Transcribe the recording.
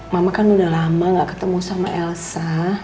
mama kan udah lama gak ketemu sama elsa